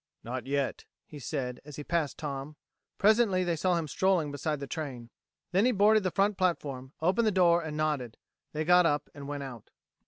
"Not yet," he said, as he passed Tom. Presently they saw him strolling beside the train. Then he boarded the front platform, opened the door and nodded. They got up and went out.